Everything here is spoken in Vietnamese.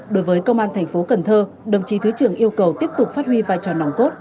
đối với công an thành phố cần thơ đồng chí thứ trưởng yêu cầu tiếp tục phát huy vai trò nòng cốt